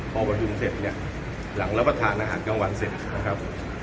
พอประชุมเสร็จเนี่ยหลังรับประทานอาหารกลางวันเสร็จนะครับ